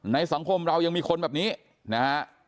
ในสังคมเรายังมีคนแบบนี้นะครับ